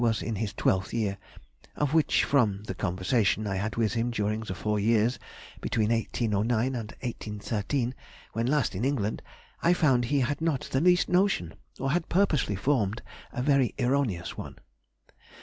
was in his twelfth year, of which, from the conversation I had with him during the four years between 1809 and 1813, when last in England, I found he had not the least notion, or had purposely formed a very erroneous one.